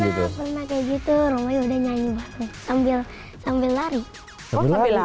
ya pernah kayak gitu roma yuk udah nyanyi banget nih sambil lari